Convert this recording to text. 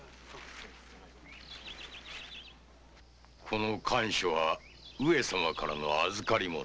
この甘藷は上様からの預り物。